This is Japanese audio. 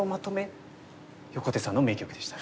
横手さんの名局でしたね。